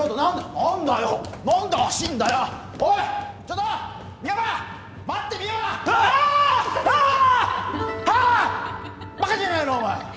あっバカじゃないのお前！